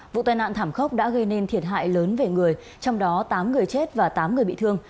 vụ tai nạn thảm khốc đã gây nên thiệt hại lớn về người trong đó tám người chết và tám người bị thương